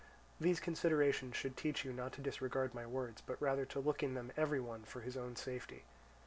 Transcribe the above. These considerations should teach you not to disregard my words, but rather to look in them every one for his own safety.